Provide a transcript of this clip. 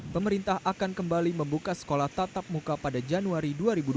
pemerintah akan kembali membuka sekolah tatap muka pada januari dua ribu dua puluh